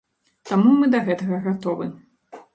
Таму мы да гэтага гатовы.